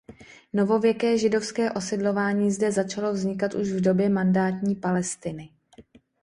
Novověké židovské osidlování zde začalo vznikat už v době mandátní Palestiny.